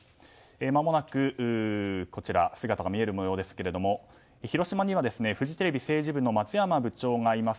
まもなく姿が見える模様ですが広島にはフジテレビ政治部の松山部長がいます。